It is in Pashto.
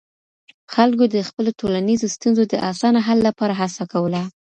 خلګو د خپلو ټولنيزو ستونزو د اسانه حل لپاره هڅه کوله.